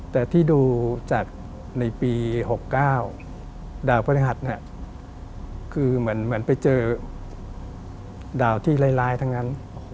แต่ที่ดูจากในปี๖๙ดาวพฤหัสเนี่ยคือเหมือนไปเจอดาวที่ร้ายทั้งนั้น